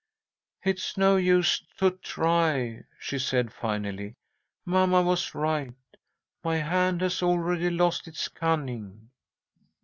"It's no use to try," she said, finally. "Mamma was right. My hand has already lost its cunning."